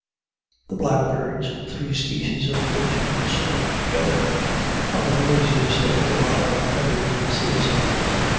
The blackbirds three species of which consort together are the noisiest of all our feathered citizens.